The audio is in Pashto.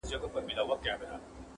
• ما په غزل کي وه د حق پر جنازه ژړلي -